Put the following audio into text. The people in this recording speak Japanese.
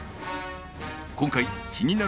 今回気になる